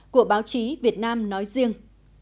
của báo chí việt nam nói riêng